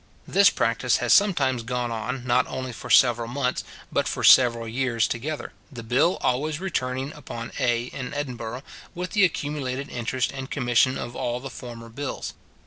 This practice has sometimes gone on, not only for several months, but for several years together, the bill always returning upon A in Edinburgh with the accumulated interest and commission of all the former bills.